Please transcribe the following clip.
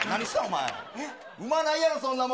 うまないやろ、そんなもん。